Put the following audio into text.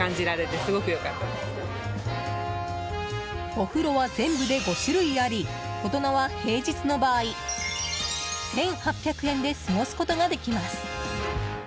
お風呂は全部で５種類あり大人は、平日の場合１８００円で過ごすことができます。